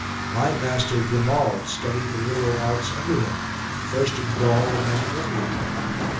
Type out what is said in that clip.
My master Grimald studied the literal arts under him, first in Gaul and then in Italy.